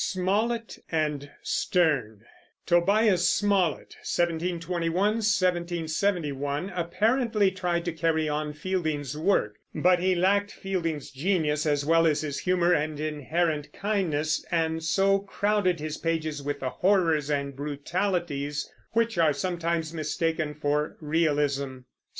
SMOLLETT AND STERNE Tobias Smollett (1721 1771) apparently tried to carry on Fielding's work; but he lacked Fielding's genius, as well as his humor and inherent kindness, and so crowded his pages with the horrors and brutalities which are sometimes mistaken for realism.